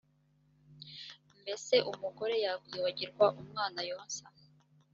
mbese umugore yakwibagirwa umwana yonsa